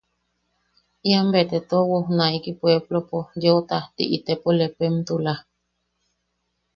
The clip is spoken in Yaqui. Ian bea te tua wojnaiki pueblopo yeu tajti itepo lepemtula.